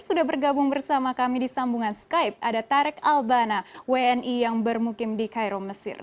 sudah bergabung bersama kami di sambungan skype ada tarek albana wni yang bermukim di cairo mesir